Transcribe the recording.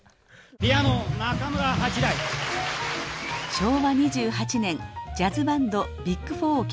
昭和２８年ジャズバンドビッグ・フォアを結成。